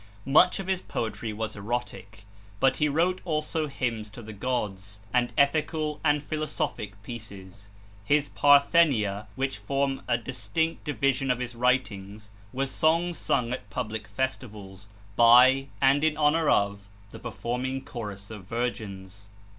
Much of his poetry was erotic; but he wrote also hymns to the gods, and ethical and philosophic pieces. His 'Parthenia,' which form a distinct division of his writings, were songs sung at public festivals by, and in honor of, the performing chorus of virgins.